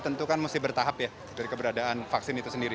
tentu kan mesti bertahap ya dari keberadaan vaksin itu sendiri